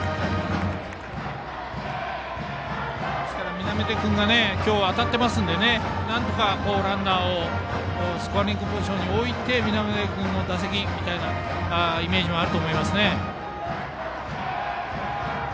南出君が今日、当たっているのでなんとかランナーをスコアリングポジションに置いて南出君の打席みたいなイメージもあると思いますね。